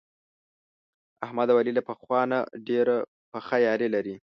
احمد او علي له پخوا نه ډېره پخه یاري لري.